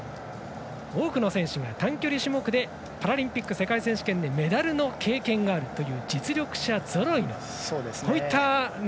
多くの選手が短距離種目でパラリンピック世界選手権でメダルの経験があるという実力者ぞろいの。